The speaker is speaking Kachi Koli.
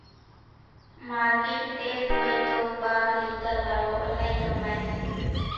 مارڪيٽ تيز هوئيَ تو ٻاگھ ليڌا وارو الائِي ڪمائيَ سي۔